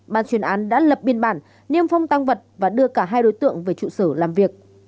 ban chuyên án đã lập biên bản niêm phong tăng vật và đưa cả hai đối tượng về trụ sở làm việc